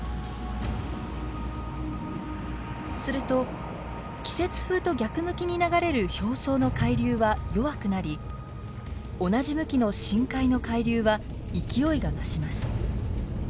すると季節風と逆向きに流れる表層の海流は弱くなり同じ向きの深海の海流は勢いが増します。